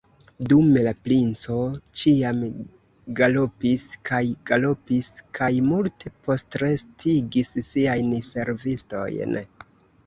Dume la princo ĉiam galopis kaj galopis kaj multe postrestigis siajn servistojn.